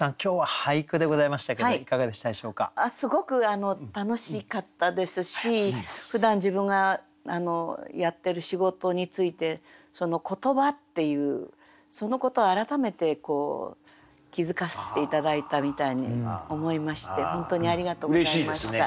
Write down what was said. すごく楽しかったですしふだん自分がやってる仕事について言葉っていうそのことを改めて気付かせて頂いたみたいに思いまして本当にありがとうございました。